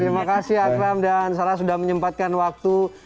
terima kasih akram dan sarah sudah menyempatkan waktu